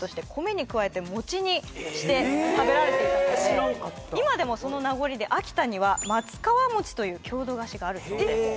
・知らんかった今でもその名残で秋田には松皮餅という郷土菓子があるそうです